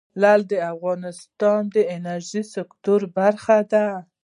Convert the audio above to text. لعل د افغانستان د انرژۍ سکتور برخه ده.